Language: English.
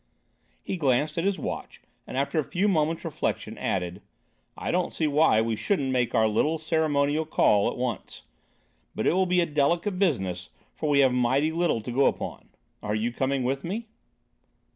He glanced at his watch and, after a few moments' reflection, added: "I don't see why we shouldn't make our little ceremonial call at once. But it will be a delicate business, for we have mighty little to go upon. Are you coming with me?"